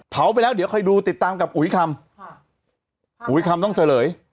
ไปแล้วเดี๋ยวคอยดูติดตามกับอุ๋ยคำค่ะอุ๋ยคำต้องเฉลย